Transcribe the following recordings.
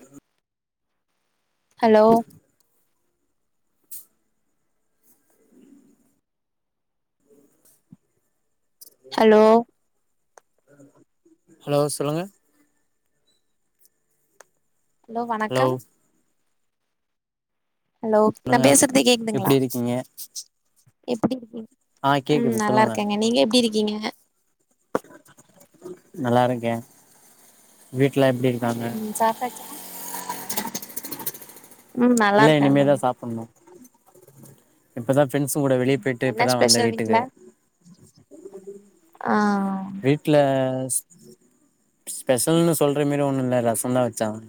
அஹ hello hello hello சொல்லுங்க hello வணக்கம் ஹலோ நா சொல்லுங்க பேசுறது கேக்குதுங்களா எப்டி இருக்கீங்க எப்டி இருக்கிங் ஆ ம் கேக்குது நல்லா சொல்லுங்க இருக்கேங்க நீங்க எப்டி இருக்கீங்க நல்லா இருக்கே வீட்ல எப்டி இருக்காங்க சாப்டாச்சா ம் நல்லா இல்ல இனிமே தா இருக்காங்கங்க சாப்புட்ணு இப்பதா ஃப்ரெண்ட்ஸுங் கூட வெளிய போயிட்டு என்ன இப்பதா வந்த ஸ்பெஷல் வீட்டுக்கு வீட்ல ஆ வீட்ல ச் ஸ்பெஷல்ன்னு சொல்ற மாரி ஒண்ணு இல்லே ரச தா வெச்சாங்க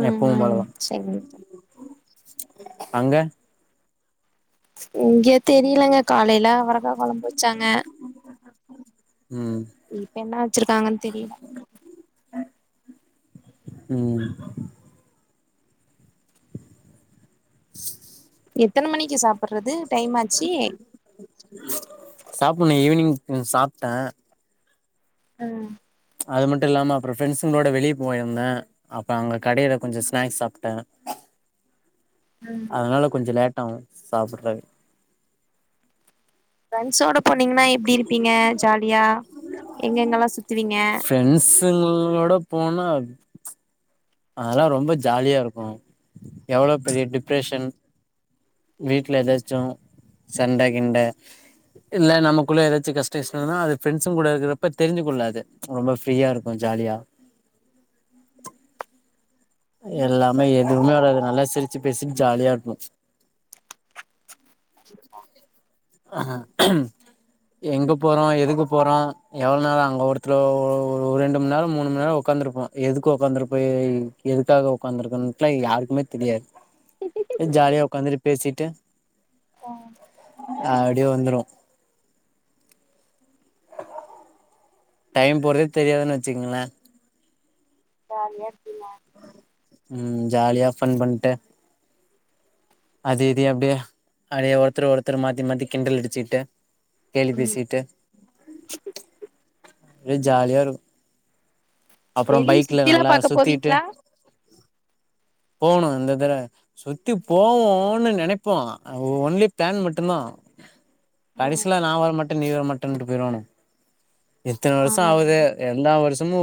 ம் எப்பவு ம் போலதா சரி அங்க இங்கே தெரிலங்க காலைல அவரக்கா கொழம்பு வச்சாங்க ம் இப்ப என்ன வச்சிருக்காங்கன் தெரில ம் எத்தன மணிக்கு சாப்பர்றது டைம் ஆச்சி சாப்புன்னு ஈவினிங் சாப்டே ம் அது மட்டு இல்லாம அப்ற ஃப்ரெண்ட்ஸுங்ளோட வெளிய போயிருந்தே அப்ப அங்க கடைல கொஞ்ச ஸ்நாக்ஸ் சாப்டே ம் அதனால கொஞ்ச லேட்டாவு சாப்பிர்றக்கு ப்ரெண்ஸோட போனீங்கனா எப்டிருப்பிங்க ஜாலியா எங்க எங்கலா சுத்துவீங்க பிரெண்ட்ஸுங்களோட போனா அது அதலா ரொம்ப ஜாலியாருக்கு எவ்ளோ பெரிய டிப்ரெஷன் வீட்ல எதாச்சு சண்ட கிண்ட இல்ல நமக்குள்ள எதாச்சு கஷ்ட கிஸ்ட வந்த அது ஃப்ரண்டஸுங் கூட இருக்கறப்பத் தெரிஞ்ச கொள்ளாது ரொம்ப ஃப்ரீயாருக்கு ஜாலியா எல்லாமே எதுவுமே வராது நல்லா சிரிச்சு பேசிட் ஜாலியாருப்போ ஆ ம் எங்க போறோ எதுக்கு போறோ எவள் நேரோ அங்க ஒடுத்லோ ஒரு ரெண்டு மண் நேரோ மூனு மண் நேரோ உக்காந்திருப்போ எதுக்கு ஒக்காந்துருப்போ எ எதுக்காக ஒக்காந்திருக்கன்ட்லா யாருக்குமேத் தெரியாது ஜாலியா ஒக்காந்திரு பேசிட்டு ம் ஆடியோ வந்துருவோ டைம் போறதே தெரியாதுன் வச்சிக்கிங்ளே ஜாலியா இருப்பிங்க ம் ஜாலியா ஃபன் பண்ட்டு அது இதியு அப்டியே அடியே ஒருத்தரு ஒருத்தரு மாத்தி மாத்தி கிண்டல் அடிச்சிட்டு கேலி ம் பேசிட்டே ஒரே ஜாலியாருக்கு அப்ற வெளிய பைக்ல சுத்திலா நல்லா பாக்க சுத்திட்டு போவீங்களா போவுணு இந்த தர சுத்திப் போவோன்னு நெனைப்போ அங் ஒன்லி பிளான் மட்டுந்தா கடைசில நா வரமாட்டே நீ வரமாட்டேனுட்டு போய்ருவானுங் எத்தன ஆ வருஷ ஆவுது எல்லா வருஷமு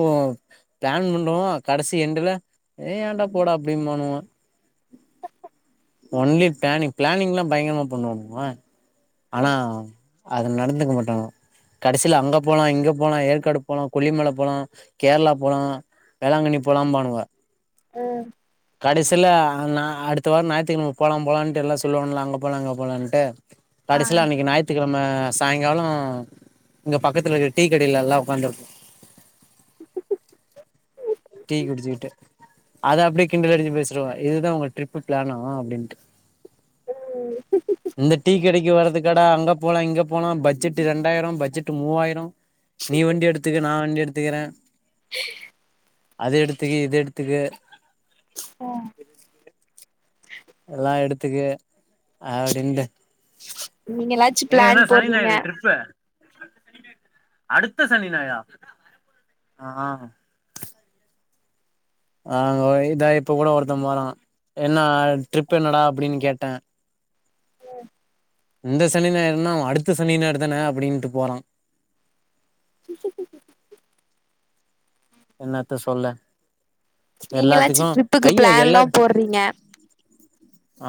பிளான் பண்டுவோ கடைசி எண்டுல ஏ ஏன்டா போடாப் அப்டிம்பானுவ ஒன்லி பிளானிங் பிளானிங்லா பயங்கரமா பண்ணுவோம்மா ஆனா அது நடந்துக்க மாட்டனுங்க கடைசில அங்கப் போலா இங்கப் போலா ஏற்காடு போலா கொல்லிமல போலா கேர்ளா போலா வேளாங்கண்ணி போலாம்பானுவ ம் கடைசில அ நா அடுத்த வாரன் ஞாயித்துக்கெழம போலாம் போலான்ட்டு எல்லா சொல்லுவான் இல்ல அங்க போலா இங்க போலான்ட்டு ஆ கடைசில அன்னைக் ஞாயித் த்துகெழம சாயங்காலோ இங்க பக்கத்துல இருக்க டீ கடைல எல்லா ஒக்காந்துருப்போ டீ குடிச்சிட்டு அத அப்டியே கிண்டல் அடிச்சி பேசிருவோ இதுதா உங்க ட்ரிப்பு பிளேனா அப்டின்ட்டு ம் கெடைக்கு வரதுக்காடா அங்கப் போலா இங்கப் போலா பட்ஜெட்டு ரண்டாயிரம் பட்ஜெட்டு மூவாயிரோ நீ வண்டி எடுத்துக்க நா வண்டி எடுத்துக்கிறே அது எடுத்துக்கு இத எடுத்துக்க [unintelligible] எல்லா எடுத்துக்க அப்டீண்டு நீங்களாச்சு ஏ என்னா பிளான் சனி போடுறீங்க ஞாயிறு ட்ரிப்பு அடுத்த சனி ஞாயிறா ஆ ஆ ஆங்க ஒரு இதா இப்ப கூட ஒருத்த போறா என்னா ட்ரிப்பு என்னடா அப்டீன்னு கேட்டே இந்த சனி ஞாயிறுனா அவ அடுத்த சனி ஞாயிறு தானே அப்டின்ட்டு போறா [inaudible] என்னாத்த சொல்ல நீங்கலாச்சு எல்லாத்துக்கு ட்ரிப்புக்கு கைய பிளான்லா எல்லா போட்றீங்க ஆ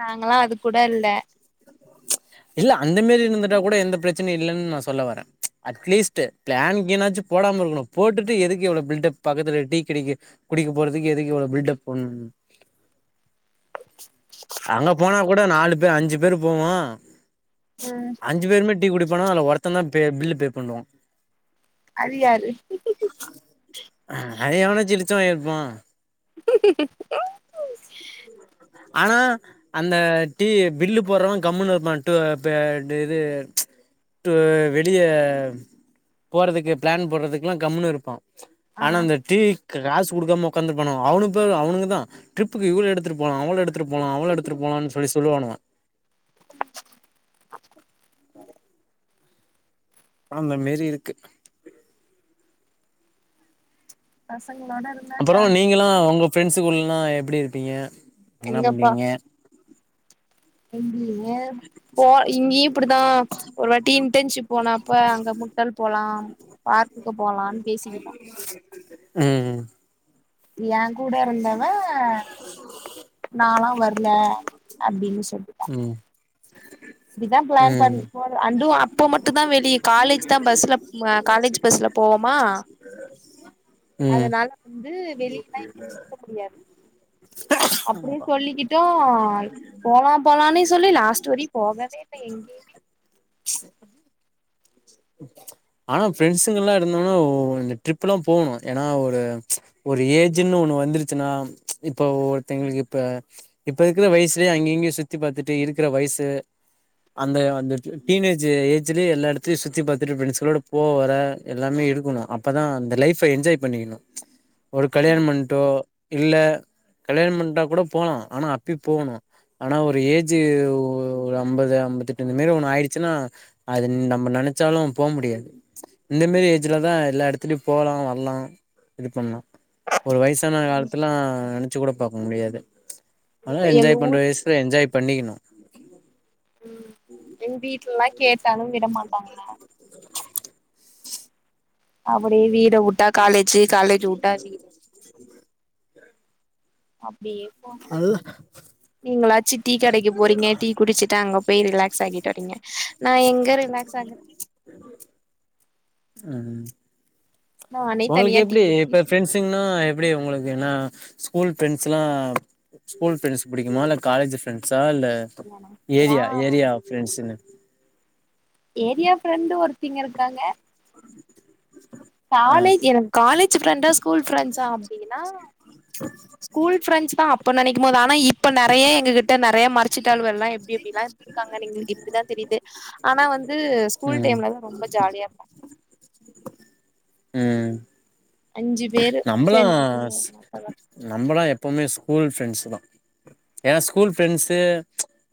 நாங்களா அது கூட இல்ல இது அந்த மாரி இருந்துந்துட்டா கூட எந்த பிரச்சனயு இல்லன்னு நா சொல்ல வரே அட்லீஸ்ட் பிளான் கீனாச்சு போடாம இருக்கணோ போட்டுட்டு எதுக்கு இவ்ளோ பில்டப் பக்கத்துல டீ கடைக்கு குடிக்க போறதுக்கு எதுக்கு இவ்வளோ பில்டப் பண்ணணோ அங்க போனா கூட நாலு பேர் அஞ்சு பேரு போவோ ம் அஞ்சு பேருமே டீ குடிப்போனா அதுல ஒருத்த தா பே பில்லு பே பண்ணுவா அது யாரு அது எவனாச்சு இலுச்ச வாய இருப்பா ஆனா அந்த டீ பில்லு போட்றவ கம்முனு இருப்பா டு பே இது ச் டூ வெளிய போறதுக்கு பிளான் போடுறதுகுலா கம்முனு இருப்பா ஆ ஆனா அந்த டீ காசு குடுக்காம ஒக்காந்துருப்பானுங்க அவனுங்க பாரு அவனுங்கதா ட்ரிப்புக்கு இவ்ளோ எடுத்து போனோ அவ்ளோ எடுத்துட்டு போலா அவ்ளோ எடுத்துட்டு போலாம்னு சொல்லி சொல்லுவானுங்க கொழந்த மேரி இருக்கு பசங்களோட இருந்தா அப்புறோ ஜாலி நீங்கலா உங்க ப்ரெண்ட்ஸு கூடலா எப்புடி இருப்பீங்க என்ன பண்ணுவீங்க எப்போ இங்கயு இப்டிதா ஒரு வாட்டி இன்டர்ன்ஷிப் போனப்ப அங்க முட்டல் போலா பார்க்குக்கு போலாம்னு பேசிக்கிட்டோ ம் ஏ கூட இருந்தவ நாலா வர் ல அப்டீன்னு சொல்லி ம் இப்டிதா பிளான் ம் பண்ணி போறது அண்டும் அப்போ மட்டுந்தா வெளியே காலேஜ்தா பஸ்ல அ காலேஜ் பஸ்ல போவோமா ம் ம் அதனால வந்து வெளியல்லா எங்கயு சுத்த முடியாது அப்டியே சொல்லிக்கிட் ட்டோ போலா போலானே சொல்லி லாஸ்ட் வரியோ போகவே இல்ல எங்கேயமே ஆனா ப்ரெண்ட்ஸுங்கலா இருந்தாங்கனா ஓ இந்த ட்ரிப்புலா போணோ ஏன்னா ஒரு ஒரு ஏஜ்ஜுன்னு ஒண்ணு வந்துருச்சுன்னா இப்ப ஒருத்தவுங்குளுக்கு இப்ப இப்ப இருக்குற வயசுலேயே அங்க இங்கயு சுத்தி பாத்துட்டு இருக்குற வயசு அந்த அந்த டீனேஜ் ஏஜ்லய எல்லா இடத்தையு சுத் சுத்தி பாத்துட்டு பிரண்ட்ஸுங்களோட போ வர எல்லாமே இருக்கணோ அப்பதா அந்த லைஃப்ப என்ஜாய் பண்ணிக்கணோ ஒரு கல்யாணம் பண்டோ இல்ல கல்யாண பண்டா கூட போலா ஆனா அப்பியோ போவணோ ஆனா ஒரு ஏஜ்ஜு ஒரு அம்பது அம்பத்தெட்டு இந்த மாதிரி ஒண்ணு ஆயிடுச்சுன்னா அது நம்ம நெனைச்சாலு போ முடியாது இந்த மேரி ஏஜ்லதா எல்லா இடத்துலியு போலா வர்லா இது பண்லா ஒரு வயசு வயசான காலத்தல்லா நெனைச்சுக் கூட பாக்க முடியாது ஆனா எங்க என்ஜாய் பண்ற ஊர் வயசு என்ஜாய் பண்ணிக்கிணு ம் எங்க வீட்லல்லா கேட்டாலு விட மாட்டாங்க அப்டியே வீடு உட்டா காலேஜி காலேஜ உட்டா வீடு அப்டியே போ நீங்களாச்சு டீ கடைக்கி போறீங்க டீ குடிச்சிட்டு அங்க போய் ரிலாக்ஸாகிட்டு வரீங்க நா எங்க ரிலாக்ஸாகுறது ம் நானே ஒங்களுக்கு தனியா டீ எப்பிடி வச்சு இப்ப டீ ஃபிரண்ட்ஸ் க்குனா எப்பிடி உங்களுக்கு ஏன்னா ஸ்கூல் ஃபிரெண்ட்ஸெல்லா ஸ்கூல் ப்ரெ்ஸ் புடிக்குமா இல்ல காலேஜ் ஃப்ரண்ட்ஸா இல்ல எனக்லா ஃபிரண்ட்ஸ்ங்க ஏரியா ஃப்ரெண்டு ஒருத்திங்க இருக்காங்க ஆ காலேஜ் எனக் காலேஜ் ஃப்ரெண்டா ஸ்கூல் ஃப்ரெண்ட்ஸா அப்டின்னா கூல் ஃப்ரெண்ட்ஸ் தா அப்போ நெனைக்கும் போதுனா இப்போ நறைய எங்கிட்ட நறைய மறச்சிட்டாழ்வோ எல்லா எப்டி எப்டிலா காங்க நீங்கள் இப்படிதா தெரியுது ஆனா வந்து ஸ்கூல் ம் டைம்லதா ரொம்ப ஜாலியா இருப்போ ம் அஞ்சு பேரு நம்மளா சேந்துகிட்டு நம்மளா எப்பவுமே ஸ்கூல் ஃப்ரெண்ட்ஸ் தா ஏனா ஸ்கூல் ஃப்ரெண்ட்ஸு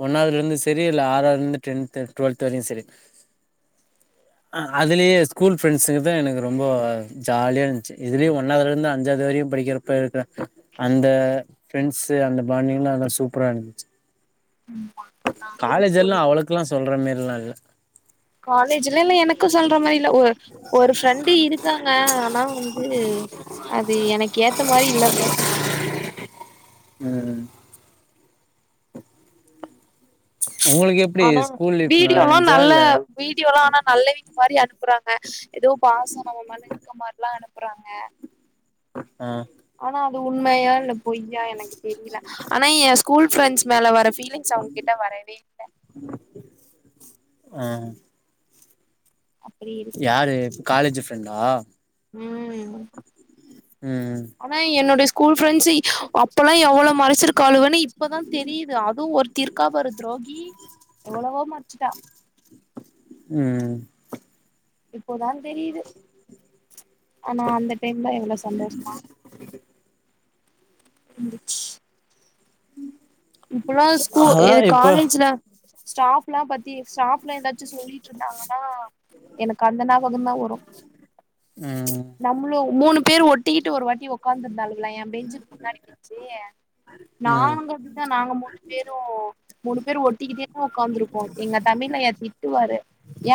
ஒன்னாவதுலருந்து செரி இல்ல ஆறாவதுலருந்து டென்த் டுவெல்த் வரையு செரி அ அதுலயே ஸ்கூல் ஃப்ரெண்ட்ஸ்ங்க தா எனக்கு ரொம்ப ஜாலியாருந்துச்சு இதுலயே ஒன்னதுலருந்து அஞ்சாவது வரையு படிக்கிறப்ப இருக்கற அந்த ஃபிரண்ட்ஸு அந்த பாண்டிங்லா அதெல்லா சூப்பராருந்துச்சு ம்மா காலேஜெல்லா அவளுக்கெல்லா சொல்ற மேரில்லா இல்ல காலேஜ்ல எனக்கு சொல்ற மாரி இல்ல ஒரு ஒரு ஃப்ரெண்டு இருக்காங்க ஆனா வந்து அது எனக்கு ஏத்த மாரி இல்லன் தா சொல்லுவே ம் உங்களுக்கு எப் ஆனா வீடியோல்லா நல்ல வீடியோல்லா ஆனா நல்லவீங்க மாரி அனுப்புறாங்க ஏதோ பாசனங்க மாரி இருக்க மார்லா அனுப்புறாங்க ஆ ஆனா அது உண்மையா இல்ல பொய்யா எனக் தெர்ல ஆனா என் ஸ்கூல் ஃப்ரெண்ட்ஸ் மேல வர ஃபீலிங்ஸ் அவங்ககிட்ட வரவே இல்ல ம் ஆ அப்டி இருக்கு யாரு காலேஜி ஃப்ரெண்டா ம் ம் ஆனா என்னோடைய ஸ்கூல் ஃப்ரெண்ட்ஸ் அ ப்போல்லா எவ்ளோ மறைச்சிருக்காளுவோன்னு இப்பதா தெரியுது அதுவு ஒருத்தி இருக்கா பாரு துரோகி எவ்ளோவோ மறைச்சுட்டா ம் இப்போதா தெரிது ஆனா அந் த டைம்ல எவ்ளோ சந்தோஷமா இந்துச்சு இப்பலா ஸ்கூ இது அதான் இப்ப காலேஜ்ல ஸ்டாஃப்லா பத்தி ஸ்டாஃப்லா ஏதாச்சு சொல்லிட்டுருந்தாங்கனா எனக்கு அந்த ஞாபகம்தா வரு ம்ம் நம்மளு மூணு பேர் ஒட்டிக்கிட்டு ஒரு வாட் உக்காந்து இருந்தாலுங்களா என் பெஞ்சுக்கு முன்னாடி பெஞ்சு ம் நானுங்க ங்க நாங்க மூணு பேரு மூணு பேர் ஒட்டிக்கிட்டேதா உட்காந்துருக்கபோ எங்க தமிழ் ஐயா திட்டுவாரு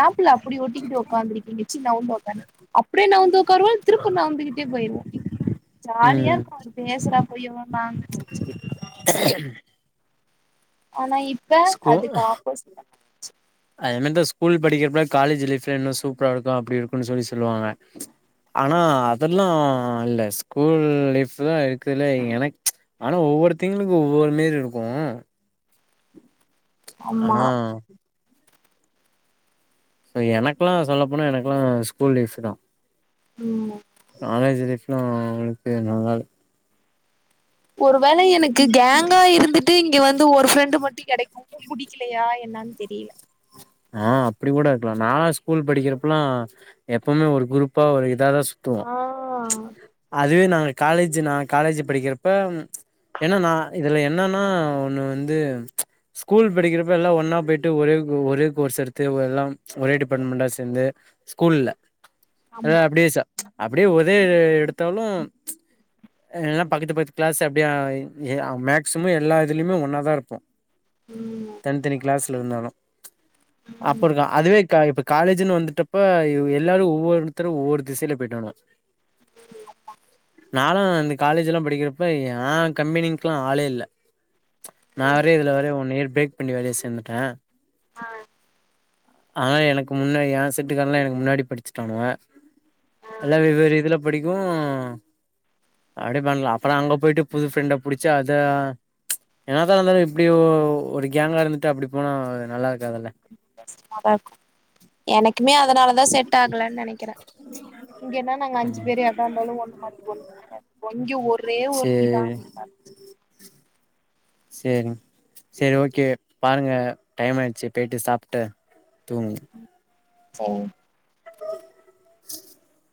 ஏண்டி அப்படி ஒட்டிகிட்டு உக்காந்துருக்கீங்க ச்சீ நவுந்து உக்காரு அப்டியே நவுந்து உக்காருவோ திருப்ப நவுந்துகிட்டே போயிருவோ ஜாலியா ம் இருக்கு பேசுறா போய் நா ச்சீ ச்சீ [unintelligible] ஆனா இப் ஸ்கூ அது என்னத்த ஸ்கூல் படிக்கிறப்ப காலேஜ் லைஃப்யே இன்னு சூப்பரா இருக்கு அப்டி இருக்குன்னு சொல்லி சொல்லுவாங்க ஆனா அதெல்லா இல்ல ஸ்கூல் லைஃப்தா இருக்குதுலே எனக் ஆனா ஒவ்வொருதிங்களுக்கு ஒவ்வொரு மாரி இருக்கு ஆமா ஆனா சோ எனக்லா சொல்ல போனா எனக்லா ஸ்கூல் லைஃப்தா ம்ம் காலேஜ் லைப்ஃலா உங்களுக்கு நல்லால்ல ஒரு வேல எனக்கு கேங்கா இருந்துட் ட்டு இங்க வந்து ஒரு ஃப்ரெண்டு் மட்டு கெடைக்குபோது புடிக்கலையா என்னானு தெரில ஆ அப்படி கூட இருக்கலா நான் ஸ்கூல் படிக்கிறப்பலா எப்பவுமே ஒரு குரூப்பா ஒரு இதாதா த்துவோ ஆ அதுவே நாங்க காலேஜ் நா காலேஜ் படிக்கிறப்ப என்னா நா இதுல என்னன்னா ஒன்னு வந்து ஸ்கூல் படிக்கிறப்ப எல்லா ஒன்னா போயிட்டு ஒரே குரூ ஒரே கோர்ஸ் எடுத்து ஓ எல்லாம் ஒரே டிபார்ட்மெண்டா சேர்ந்து ஸ்கூல்ல எல்லா ஆமா அப்டியே அப்டியே ஒரே எடுத்தாலு எல்லா பக்கத்து பக்கத்து கிளாஸ் அப்படியே மேக்சிமம் எல்லா இதுலயுமே ஒன்னா தா இருப்போ ம்ம் தனித்தனி கிளாஸ்ல இருந்தாலு அப்டிதா அதுவே க இப்ப காலேஜினு வந்துட்டப்ப எல்லாரு ஒவ்வொருத்தரு ஒவ்வொரு திசையில போய்டாங்க [inaudible] நாலா அந்த காலேஜிலா படிக்கிறப்ப யான் கம்பெனிங்க்லா ஆளே இல்ல நா வேற இதுல வேற ஒன்னியர் பிரேக் பண்ணி வேற சேந்துட்ட ஆ ஆனா எனக்கு முன்ன என் செட்டுக்காரன்லா எனக்கு முன்னாடி படிச்சிட்டானுவ எல்லா வெவ்வேறு இதுல புடிக்கு அப்டி பண்ணலா அப்பறோ அங்க போயிட்டு புது ஃப்ரெண்ட புடிச்சி அத என்னாதா இருந்தாலு இப்படி ஒரு கேங்க்ல இருந்துட்டு அப்படி போனா நல்லா இருக்காதுல்ல ம்ம் கஷ்டமாதா இருக்கு எனக்குமே அதனாலதா செட் ஆகலனு நெனக்கிறே இங்கன்னா நாங்க அஞ்சு பேர் எதா இருந்தாலு ஒண்ணு மாத்திண்ணுவ இங்கே ஒரே ஒருத்திதா சேரி சேரிங் சரி ஓகே பாருங்க டைம் ஆய்ட்ச்சு போய்ட்டு சாப்ட்டு தூங்குங்க ஓ [inaudible]